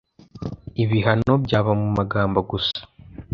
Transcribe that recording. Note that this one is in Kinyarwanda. ibihano byaba mu magambo gusa